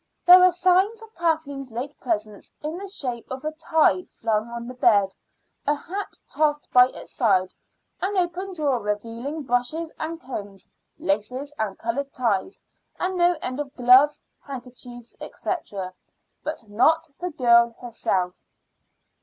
There were signs of Kathleen's late presence in the shape of a tie flung on the bed, a hat tossed by its side, an open drawer revealing brushes and combs, laces and colored ties, and no end of gloves, handkerchiefs, &c. but not the girl herself.